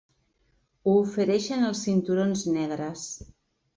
Ho ofereixen als cinturons negres.